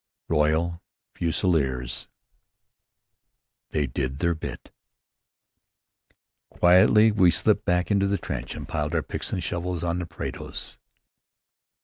Royal Fusiliers. "They did their bit." Quietly we slipped back into the trench and piled our picks and shovels on the parados.